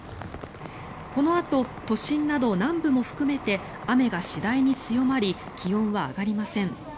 このあと都心など南部も含めて雨が次第に強まり気温は上がりません。